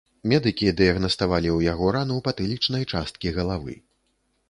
Медыкі дыягнаставалі ў яго рану патылічнай часткі галавы.